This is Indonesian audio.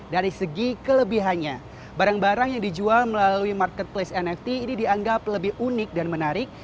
dari segi kelebihannya barang barang yang dijual melalui marketplace nft ini dianggap lebih unik dan menarik